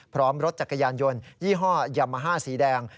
พร้อมรถจักรยานยนต์ยี่ห้อยามาฮ่าสีแดง